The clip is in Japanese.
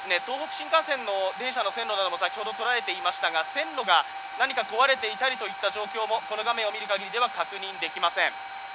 東北新幹線の電車の線路なども先ほど捉えていましたが線路が何か壊れていたりといった状況も、この画面を見る限りでは確認できません。